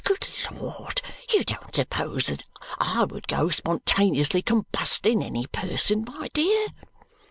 Good Lord, you don't suppose that I would go spontaneously combusting any person, my dear?"